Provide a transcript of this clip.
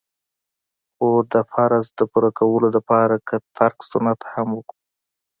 خو د فرض د پوره کولو د پاره که ترک سنت هم وکو.